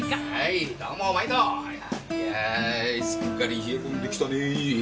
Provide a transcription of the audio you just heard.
いやすっかり冷え込んできたねぇ。